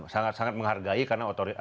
sangat sangat menghargai karena